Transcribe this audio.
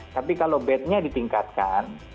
tapi kalau bednya ditingkatkan